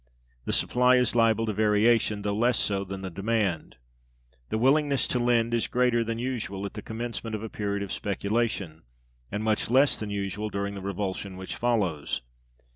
The supply is liable to variation, though less so than the demand. The willingness to lend is greater than usual at the commencement of a period of speculation, and much less than usual during the revulsion which follows.